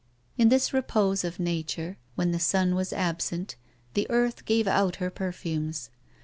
In this repose of nature, when the sun was absent, the earth gave out all her perfumes.